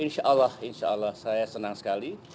insya allah insya allah saya senang sekali